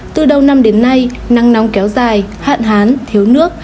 từ đầu năm đến nay nắng nóng kéo dài hạn hán thiếu nước